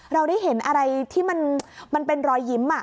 เราได้เห็นอะไรที่มันเป็นรอยยิ้ม